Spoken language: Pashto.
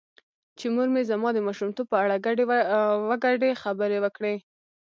چې مور مې زما د ماشومتوب په اړه ګډې وګډې خبرې وکړې .